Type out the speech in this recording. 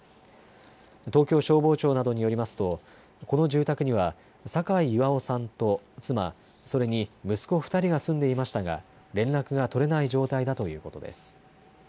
東京消防庁などによりますとこの住宅には酒井巌さんと妻、それに息子２人が住んでいましたが連絡が取れない状態だということです。